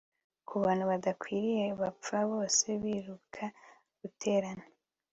kubantu badakwiriye bapfa bose biruka guterana